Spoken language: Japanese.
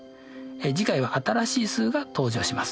次回は新しい数が登場します。